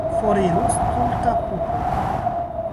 Foriru, stulta pupo!